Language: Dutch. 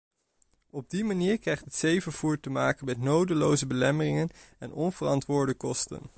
Op die manier krijgt het zeevervoer te maken met nodeloze belemmeringen en onverantwoorde kosten.